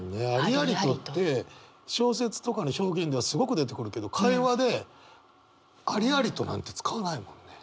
「ありありと」って小説とかの表現ではすごく出てくるけど会話で「ありありと」なんて使わないもんね。